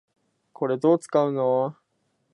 これ、どう使うの？